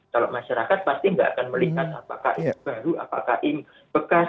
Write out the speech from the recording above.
kalau masyarakat pasti nggak akan melihat apakah ini baru apakah ini bekas